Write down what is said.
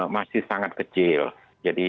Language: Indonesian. masih sangat kecil jadi